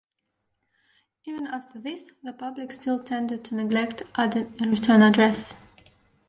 Even after this, the public still tended to neglect adding a return address.